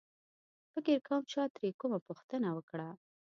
فکر کوم چا ترې کومه پوښتنه وکړه.